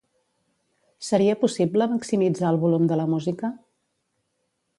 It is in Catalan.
Seria possible maximitzar el volum de la música?